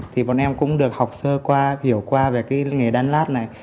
thì bọn em cũng được học sơ qua hiểu qua về cái nghề đan lát này